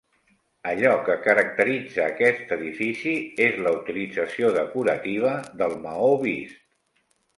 Allò que caracteritza aquest edifici és la utilització decorativa del maó vist.